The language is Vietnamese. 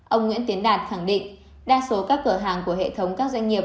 ông nguyễn tiến đạt khẳng định đa số các cửa hàng của hệ thống các doanh nghiệp